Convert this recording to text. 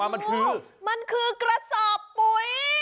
มันคือกระสอบปุ๋ย